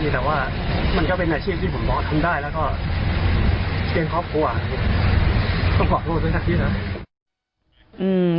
แต่ว่ามันก็เป็นอาชีพที่ผมบอกทำได้แล้วก็เลี้ยงครอบครัวต้องขอโทษไว้สักนิดครับ